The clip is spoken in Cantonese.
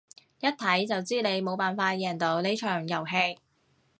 一睇就知你冇辦法贏到呢場遊戲